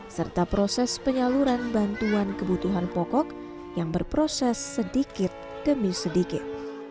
serta proses penyaluran bantuan kebutuhan pokok yang berproses sedikit demi sedikit